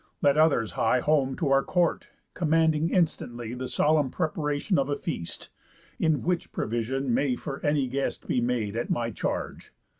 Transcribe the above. Let others hie Home to our court, commanding instantly The solemn preparation of a feast, In which provision may for any guest Be made at my charge.